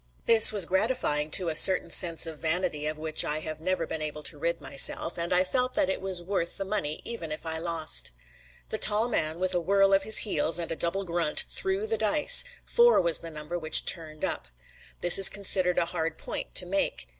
This was gratifying to a certain sense of vanity of which I have never been able to rid myself, and I felt that it was worth the money even if I lost. The tall man, with a whirl on his heels and a double grunt, threw the dice; four was the number which turned up. This is considered as a hard "point" to make.